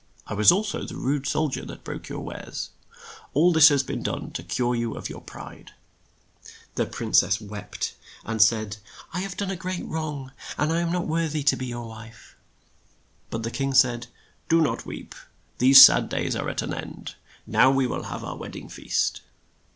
I was al so the rude sol dier that broke your wares. All this has been done to cure you of your pride. The prin cess wept, and said, "I have done a great wrong, and am not wor thy to be your wife." But the king said, "Do not weep. Those sad days are at an end; now we will have our wed ding feast."